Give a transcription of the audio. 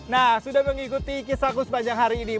nah sudah mengikuti kisahku sepanjang hari ini